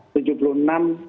tujuh puluh enam